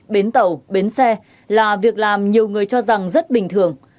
bến tàu bến xe là việc làm nhiều người cho rằng rất bình thường